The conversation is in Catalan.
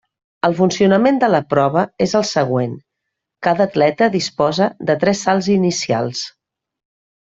El funcionament de la prova és el següent: cada atleta disposa de tres salts inicials.